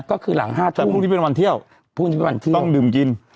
ก็คือหลังห้าทุกแต่พรุ่งที่เป็นวันเที่ยวพรุ่งที่เป็นวันเที่ยวต้องดื่มกิน